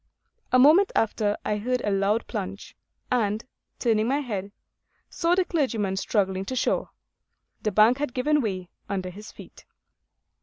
A moment after I heard a loud plunge, and, turning my head, saw the clergyman struggling to shore. The bank had given way under his feet.